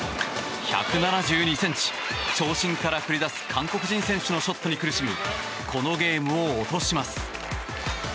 １７２ｃｍ、長身から繰り出す韓国人選手のショットに苦しみこのゲームを落とします。